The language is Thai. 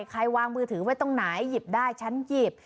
ใครวางมือถือไว้ตรงไหนหยิบได้ฉันหยิบ